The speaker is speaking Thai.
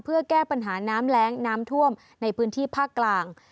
เพื่อแก้ปัญหาน้ำแรงน้ำท่วมในพื้นที่ภาคกลาง